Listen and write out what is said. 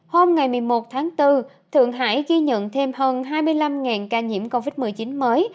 hôm ngày một mươi một tháng bốn thượng hải ghi nhận thêm hơn hai mươi năm ca nhiễm covid một mươi chín mới